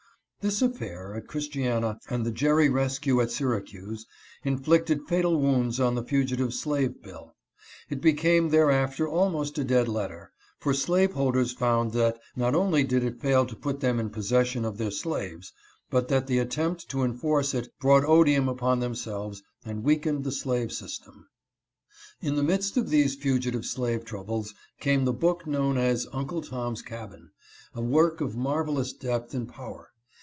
This affair, at Christiana, and the Jerry rescue at Syra cuse, inflicted fatal wounds on the fugitive slave bill. It became thereafter almost a dead letter, for slaveholders found that not only did it fail to put them in possession of their slaves, but that the attempt to enforce it brought odium upon themselves and weakened the slave system. UNCLE tom's cabin. 351 In the midst of these fugitive slave troubles came the book known as Uncle Tom's Cabin, a work of marvelous depth and power.